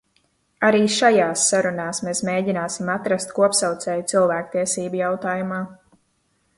Arī šajās sarunās mēs mēģināsim atrast kopsaucēju cilvēktiesību jautājumā.